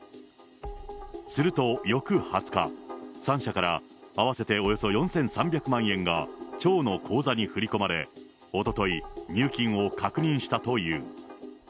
すると翌２０日、３社から合わせておよそ４３００万円が町の口座に振り込まれ、おととい、入金を確認したという。